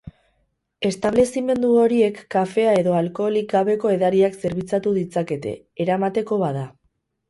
Establezimendu horiek kafea edo alkoholik gabeko edariak zerbitzatu ditzakete, eramateko bada.